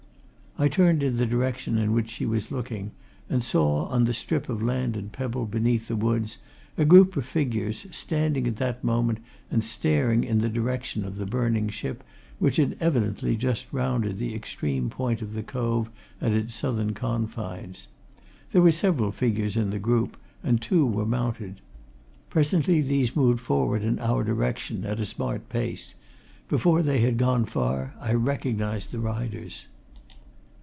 I turned in the direction in which she was looking, and saw, on the strip of land and pebble, beneath the woods, a group of figures, standing at that moment and staring in the direction of the burning ship, which had evidently just rounded the extreme point of the cove at its southern confines. There were several figures in the group, and two were mounted. Presently these moved forward in our direction, at a smart pace; before they had gone far, I recognized the riders.